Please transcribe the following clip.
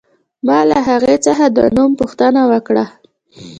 ما له هغې څخه د نوم پوښتنه وکړه